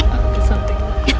aku mau ambil sesuatu